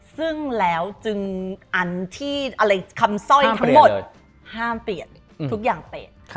ซึ่งแล้วคำซ่อยทั้งหมดห้ามเปลี่ยนทุกอย่างเปลี่ยน